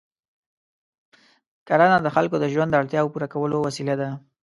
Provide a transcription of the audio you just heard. کرنه د خلکو د ژوند د اړتیاوو پوره کولو وسیله ده.